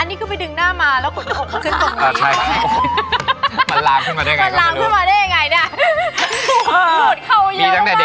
อันนี้ก็ไปดึงหน้ามาแล้วขนของเขาขึ้นตรงนี้